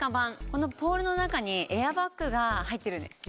このポールの中にエアバッグが入ってるんです。